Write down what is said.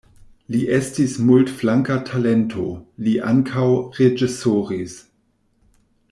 Li estis multflanka talento, li ankaŭ reĝisoris.